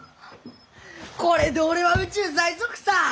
これで俺は宇宙最速さー！